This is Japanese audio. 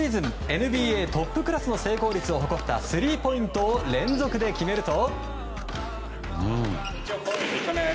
ＮＢＡトップクラスの成功率を誇ったスリーポイントを連続で決めると。